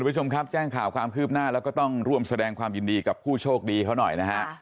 คุณผู้ชมครับแจ้งข่าวความคืบหน้าแล้วก็ต้องร่วมแสดงความยินดีกับผู้โชคดีเขาหน่อยนะฮะ